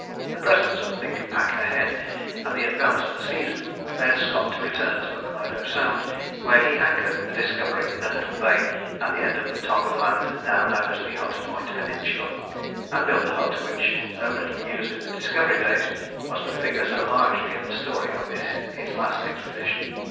The presence of thick pack ahead, and the advance of the season, led Scott to return to McMurdo Sound, where he anchored the Discovery in a little bay at the end of the tongue of land now known as the Hut Point Peninsula, and built the hut which, though little used in the Discovery days, was to figure so largely in the story of this his last expedition.